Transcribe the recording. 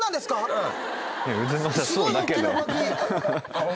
うん。